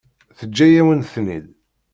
Teǧǧa-yawen-ten-id.